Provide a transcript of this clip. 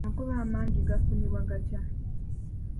Amagoba amangi gafunibwa gatya?